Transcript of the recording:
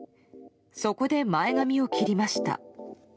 そこで前髪を切りました。